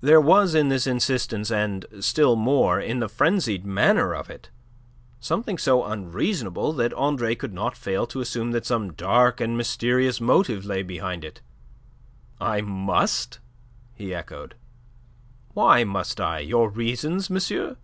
There was in this insistence and, still more, in the frenzied manner of it, something so unreasonable that Andre could not fail to assume that some dark and mysterious motive lay behind it. "I must?" he echoed. "Why must I? Your reasons, monsieur?"